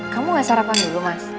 kamu gak sarapan dulu mas